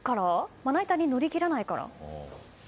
まな板に乗り切らないから？